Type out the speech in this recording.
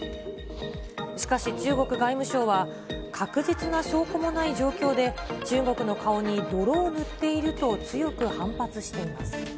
しかし、中国外務省は確実な証拠もない状況で、中国の顔に泥を塗っていると強く反発しています。